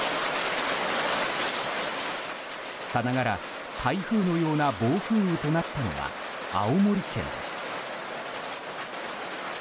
さながら台風のような暴風雨となったのは青森県です。